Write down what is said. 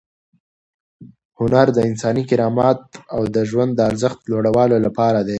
هنر د انساني کرامت او د ژوند د ارزښت د لوړولو لپاره دی.